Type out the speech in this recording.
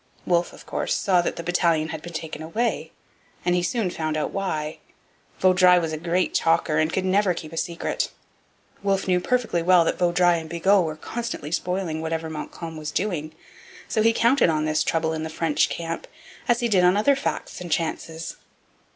Wolfe, of course, saw that the battalion had been taken away; and he soon found out why. Vaudreuil was a great talker and could never keep a secret. Wolfe knew perfectly well that Vaudreuil and Bigot were constantly spoiling whatever Montcalm was doing, so he counted on this trouble in the French camp as he did on other facts and chances.